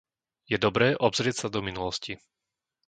Je dobré obzrieť sa do minulosti.